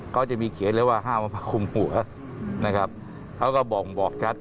เขาจะมีเขียนเลยว่าห้ามมาผ้าคุมหัวนะครับเขาก็บ่งบอกชัด